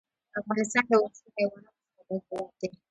افغانستان له وحشي حیواناتو څخه ډک هېواد دی.